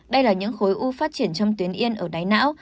đây là những khối u phát triển trong tuyến yên ở đáy não